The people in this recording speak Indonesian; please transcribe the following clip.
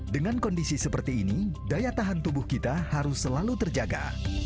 dengan kondisi seperti ini daya tahan tubuh kita harus selalu terjaga